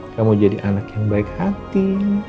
kamu jadi anak yang baik hati